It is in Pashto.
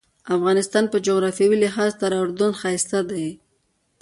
افغانستان په جغرافیوي لحاظ تر اردن ښایسته دی.